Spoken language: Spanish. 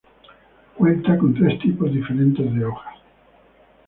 Cuenta con tres tipos diferentes de hojas:.